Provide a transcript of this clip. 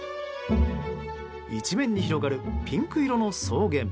一面に広がるピンク色の草原。